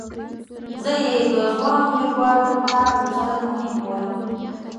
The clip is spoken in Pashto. زه یې د ځوانو لیکوالو لپاره لوستل مهم بولم.